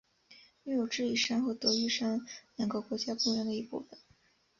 拥有智异山和德裕山两个国家公园的一部份。